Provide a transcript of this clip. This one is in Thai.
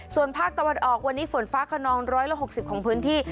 ส่วนภาคตะวันออกวันนี้ฝนฟ้าขนอง๑๖๐ของพื้นที่